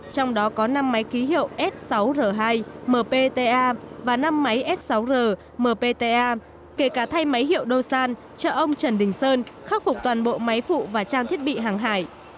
trong đó có năm máy ký hiệu s sáu r hai mta và năm máy s sáu r mpta kể cả thay máy hiệu doan cho ông trần đình sơn khắc phục toàn bộ máy phụ và trang thiết bị hàng hải